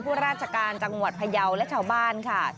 ผู้ราชการจังหวัดพยาวและชาวบ้านค่ะ